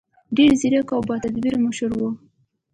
ډېر ځیرک او باتدبیره مشر و.